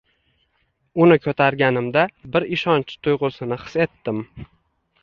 Uni ko‘targanimda bir ishonch tuyg‘usini his etdim